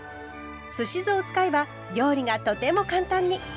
すし酢を使えば料理がとても簡単に！